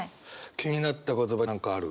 気になった言葉何かある？